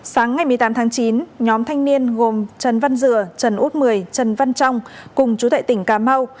sáng ngày một mươi tám tháng chín nhóm thanh niên gồm trần văn dừa trần út mười trần văn trong cùng chú thệ tỉnh cà mau